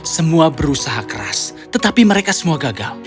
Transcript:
semua berusaha keras tetapi mereka semua gagal